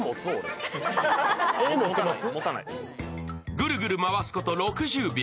ぐるぐる回すこと６０秒。